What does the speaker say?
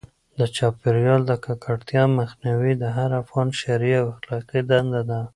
د چاپیریال د ککړتیا مخنیوی د هر افغان شرعي او اخلاقي دنده ده.